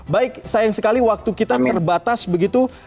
baik sayang sekali waktu kita terbatas begitu